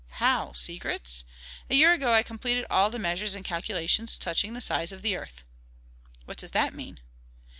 "How, secrets? A year ago I completed all measures and calculations touching the size of the earth." "What does that mean?"